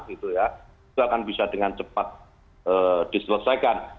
itu akan bisa dengan cepat diselesaikan